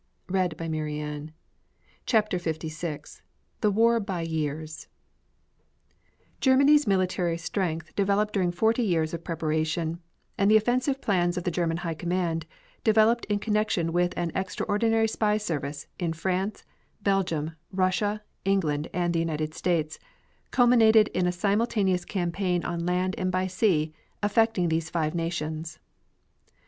] THE WAR ZONE ESTABLISHED BY GERMANY, FEBRUARY, 1917, THAT BROUGHT AMERICA INTO THE WAR. CHAPTER LVI THE WAR BY YEARS Germany's military strength developed during forty years of preparation, and the offensive plans of the German High Command developed in connection with an extraordinary spy service in France, Belgium, Russia, England and the United States, culminated in a simultaneous campaign on land and by sea, affecting these five nations.